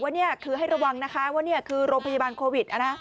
นี่คือให้ระวังนะคะว่านี่คือโรงพยาบาลโควิด